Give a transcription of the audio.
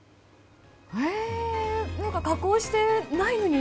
何か、加工してないのに